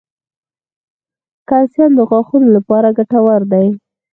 کلسیم د غاښونو لپاره ګټور دی